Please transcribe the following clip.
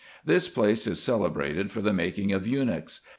This place is celebrated for the making of eunuchs.